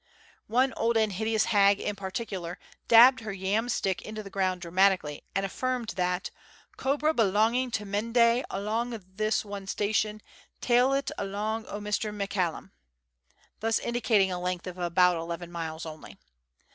One old and hideous hag, in particular, dabbed her yam stick into the ground dramatically, and affirmed that "Cobra belonging to mindai, along o' this one station, tail like it along o' Mr. MeCallum !" (thus indicating a length of about eleven miles only